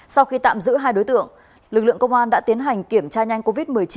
sau khi tạm giữ hai đối tượng lực lượng công an đã tiến hành kiểm tra nhanh covid một mươi chín